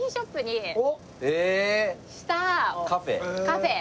カフェ？